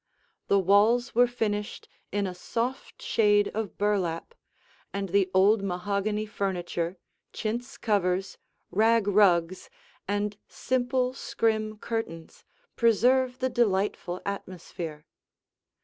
The walls were finished in a soft shade of burlap, and the old mahogany furniture, chintz covers, rag rugs, and simple scrim curtains preserve the delightful atmosphere.